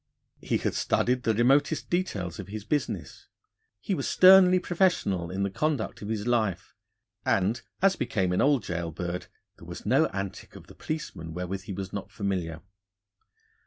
He had studied the remotest details of his business; he was sternly professional in the conduct of his life, and, as became an old gaol bird, there was no antic of the policeman wherewith he was not familiar.